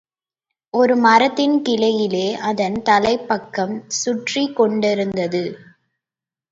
ஒரு மரத்தின் கிளையிலே அதன் தலைப்பக்கம் சுற்றிக்கொண்டிருந்தது.